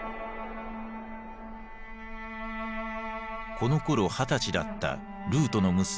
このころ二十歳だったルートの娘